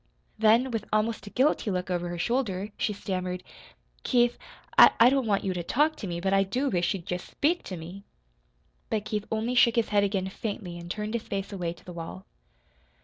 Then, with almost a guilty look over her shoulder, she stammered: "Keith, I don't want you to talk to me, but I do wish you'd just SPEAK to me." But Keith only shook his head again faintly and turned his face away to the wall.